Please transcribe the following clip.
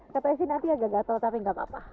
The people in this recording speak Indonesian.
kata isi nanti agak agak terlalu tapi tidak apa apa